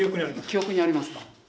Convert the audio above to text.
記憶にありますか？